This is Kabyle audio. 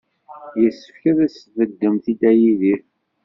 Yessefk ad as-tbeddemt i Dda Yidir.